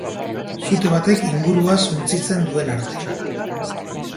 Sute batek ingurua suntsitzen duen arte.